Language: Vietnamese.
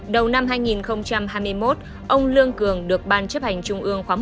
đầu năm hai nghìn hai mươi một ông lương cường được ban chấp hành trung ương khóa một mươi ba